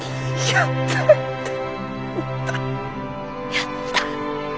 やった！